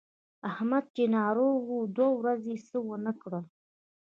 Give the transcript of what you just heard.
احمد چې ناروغ و دوه ورځې یې څکه ونه کړله.